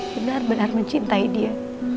benar benar mencintai dia